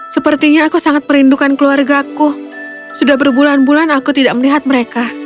sepertinya aku sangat merindukan keluargaku sudah berbulan bulan aku tidak melihat mereka